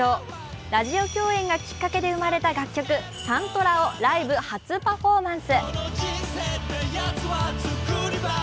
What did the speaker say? ラジオ共演がきっかけで生まれた楽曲「サントラ」をライブ初パフォーマンス。